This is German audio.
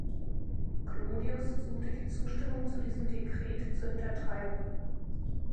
Clodius suchte die Zustimmung zu diesem Dekret zu hintertreiben.